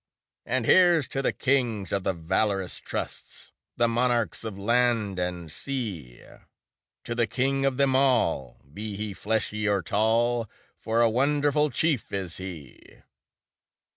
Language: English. And here's to the Kings of the valorous trusts, The monarchs of land and sea, To the King of them all, be he fleshy or tall, For a wonderful chief is he